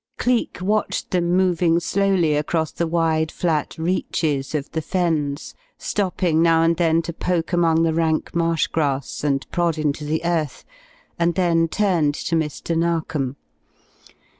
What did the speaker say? Cleek watched them moving slowly across the wide, flat reaches of the Fens, stopping now and then to poke among the rank marsh grass, and prod into the earth, and then turned to Mr. Narkom.